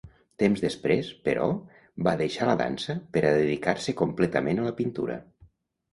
Temps després, però, va deixar la dansa per a dedicar-se completament a la pintura.